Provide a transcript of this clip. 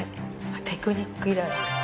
テクニックいらず。